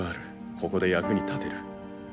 ここで、役に立てる。